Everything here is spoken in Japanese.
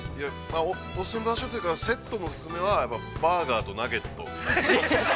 ◆お勧め場所というか、セットのお勧めは、やっぱりバーガーとナゲット。